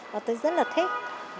và tôi rất là thích